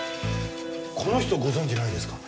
この人ご存じないですか？